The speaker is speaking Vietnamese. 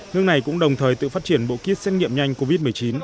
nước này cũng đồng thời tự phát triển bộ kit xét nghiệm nhanh covid một mươi chín